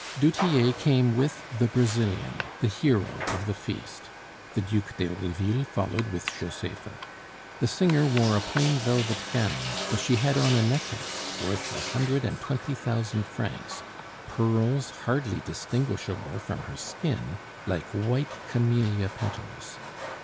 Du Tillet came with the Brazilian, the hero of the feast; the Duc d'Herouville followed with Josepha. The singer wore a plain velvet gown, but she had on a necklace worth a hundred and twenty thousand francs, pearls hardly distinguishable from her skin like white camellia petals.